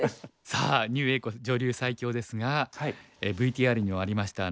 さあ牛栄子女流最強ですがＶＴＲにもありました